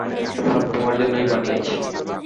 সব তোমার জন্য বানিয়েছি।